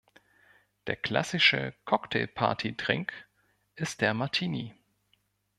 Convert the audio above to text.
Der klassische Cocktailparty-Drink ist der Martini.